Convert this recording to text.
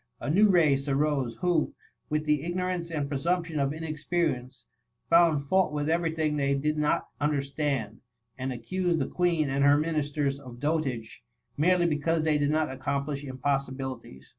A new race arose, who, with the ignorance and presumption of inexperience, found fault with every thing they did not understand, and accused the Queen and her ministers of dotage, merely be cause they did not accomplish impossibilities.